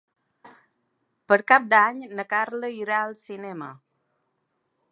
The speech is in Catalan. Per Cap d'Any na Carla irà al cinema.